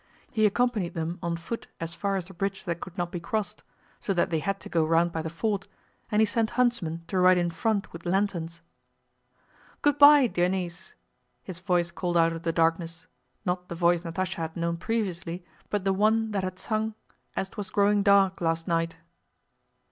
He accompanied them on foot as far as the bridge that could not be crossed, so that they had to go round by the ford, and he sent huntsmen to ride in front with lanterns. "Good by, dear niece," his voice called out of the darkness—not the voice Natásha had known previously, but the one that had sung As 'twas growing dark last night.